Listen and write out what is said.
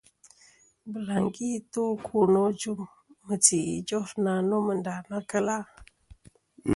Bɨlàŋgi nto ɨkwo nô ajuŋ mɨti ijof na nomɨ nda na kel a.